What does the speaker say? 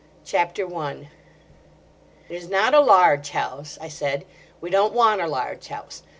CHAPTER I "IT is not a large house," I said. "We don't want a large house.